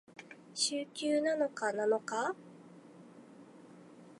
週休七日なのか？